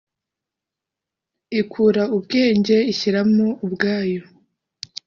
ikura ubwenge ishyira mo ubwayo